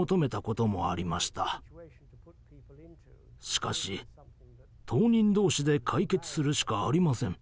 しかし当人同士で解決するしかありません。